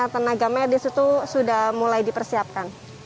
tenaga medis itu sudah mulai dipersiapkan